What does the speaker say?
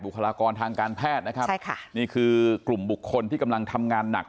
คลากรทางการแพทย์นะครับใช่ค่ะนี่คือกลุ่มบุคคลที่กำลังทำงานหนัก